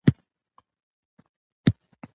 د دغه “Beast” نه د ننواتې کردار ادا کولے شي